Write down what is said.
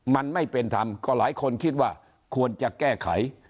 มันไม่เป็นธรรมก็หลายคนคิดว่าควรจะแก้ไข